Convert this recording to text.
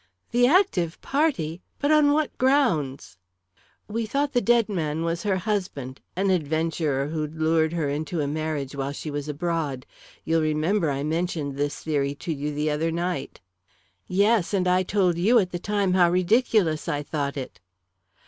"The active party! But on what grounds?" "We thought the dead man was her husband an adventurer who'd lured her into a marriage while she was abroad. You'll remember I mentioned this theory to you the other night." "Yes, and I told you at the time how ridiculous I thought it."